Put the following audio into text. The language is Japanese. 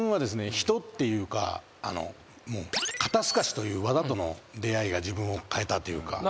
人っていうか肩すかしという技との出合いが自分を変えたというか。